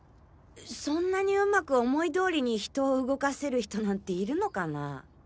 そんなに上手く思い通りに人を動かせる人なんているのかなぁ？